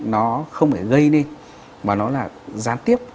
nó không phải gây nên mà nó là gián tiếp